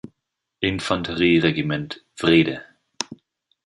Infanterie-Regiment „Wrede“.